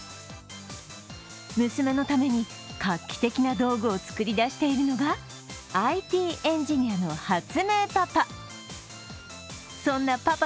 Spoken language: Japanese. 娘のために、画期的な道具を作り出しているのがＩＴエンジニアの発明パパ。